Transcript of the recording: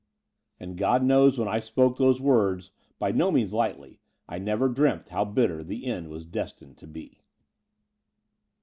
And God knows, when I spoke those words by no means lightly, I never dreamt how bitter the end was destined to be.